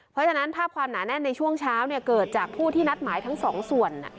เพราะฉะนั้นภาพความหนาแน่นในช่วงเช้าเกิดจากผู้ที่นัดหมายทั้งสองส่วน